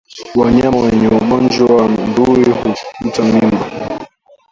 Wanyama wenye ugonjwa wa ndui hutupa mimba